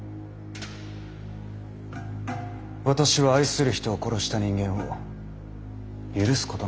私は愛する人を殺した人間を許すことなんてできない。